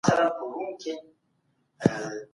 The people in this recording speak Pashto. له شیانو سره سر او کار لرل تجربه زیاتوي.